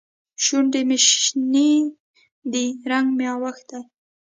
شونډې مې شنې دي؛ رنګ مې اوښتی.